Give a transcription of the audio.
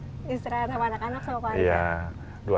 istirahat sama anak anak sama keluarga